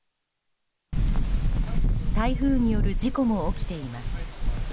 台風による事故も起きています。